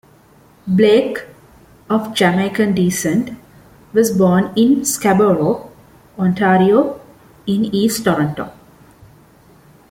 Blake, of Jamaican descent, was born in Scarborough, Ontario, in east Toronto.